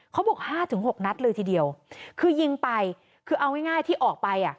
เขาบอกห้าถึงหกนัดเลยทีเดียวคือยิงไปคือเอาง่ายง่ายที่ออกไปอ่ะ